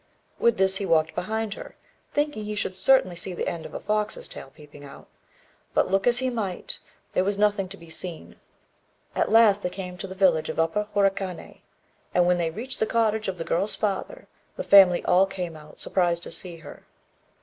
With this he walked behind her, thinking he should certainly see the end of a fox's tail peeping out; but, look as he might, there was nothing to be seen. At last they came to the village of Upper Horikané; and when they reached the cottage of the girl's father, the family all came out, surprised to see her.